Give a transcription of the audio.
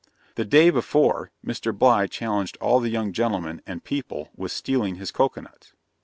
'The day before Mr. Bligh challenged all the young gentlemen and people with stealing his cocoa nuts.'